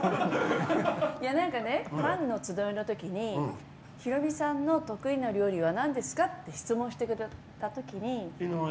なんかねファンの集いのときに宏美さんの得意な料理はなんですか？って質問してくれたときに。